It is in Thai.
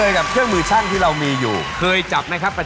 โชคความแม่นแทนนุ่มในศึกที่๒กันแล้วล่ะครับ